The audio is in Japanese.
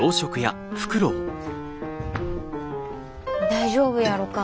大丈夫やろか？